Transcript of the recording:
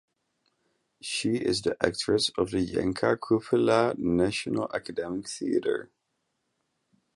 She is the actress of the Yanka Kupala National Academic Theatre.